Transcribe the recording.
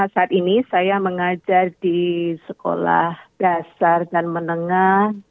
saat ini saya mengajar di sekolah dasar dan menengah